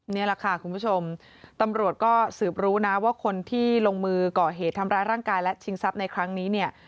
นี่แหละค่ะคุณผู้ชมตำรวจก็สืบรู้นะว่าคนที่ลงมือก่อเหตุทำร้ายร่างกายและชิงทรัพย์ในครั้งนี้เนี่ย